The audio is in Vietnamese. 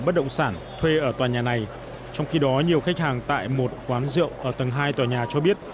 bất động sản thuê ở tòa nhà này trong khi đó nhiều khách hàng tại một quán rượu ở tầng hai tòa nhà cho biết